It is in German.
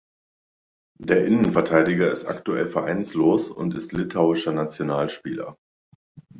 Der Innenverteidiger ist aktuell vereinslos und ist litauischer Nationalspieler.